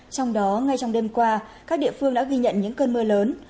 trong đó ngay trong đêm qua các địa phương đã ghi nhận những cơn mưa lớn